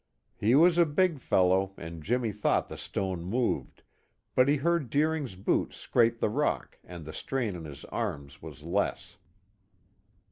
He was a big fellow and Jimmy thought the stone moved, but he heard Deering's boots scrape the rock and the strain on his arms was less.